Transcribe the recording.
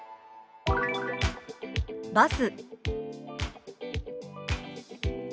「バス」。